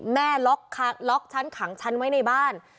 แม่ล็อกฉันขังฉันไว้ในบ้าน